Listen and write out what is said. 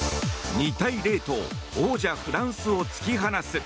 ２対０と王者フランスを突き放す。